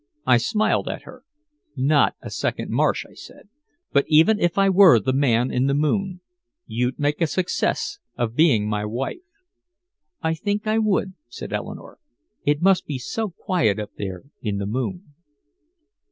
I smiled at her. "Not a second Marsh," I said. "But even if I were the man in the moon, you'd make a success of being my wife." "I think I would," said Eleanore. "It must be so quiet up there in the moon."